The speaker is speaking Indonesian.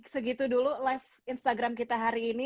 segitu dulu live instagram kita hari ini